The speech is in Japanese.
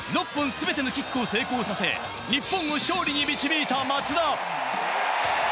初戦のチリ戦、６本全てのキックを成功させ、日本を勝利に導いた松田。